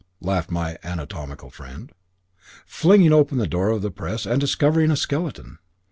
laughed my anatomical friend, flinging open the door of the press and discovering a skeleton.